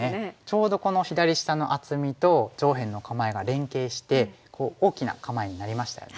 ちょうどこの左下の厚みと上辺の構えが連携して大きな構えになりましたよね。